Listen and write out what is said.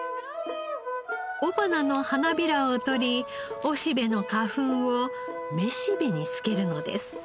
雄花の花びらを取り雄しべの花粉を雌しべに付けるのです。